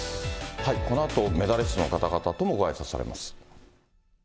このあとメダリストの方々ともごあいさつされます。